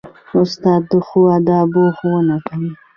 استاد د ښو آدابو ښوونه کوي.